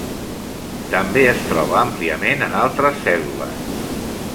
També es troba àmpliament en altres cèl·lules.